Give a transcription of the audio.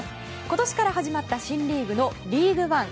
今年から始まった新リーグのリーグワン。